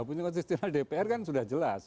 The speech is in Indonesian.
pemilu konstitusional dpr kan sudah jelas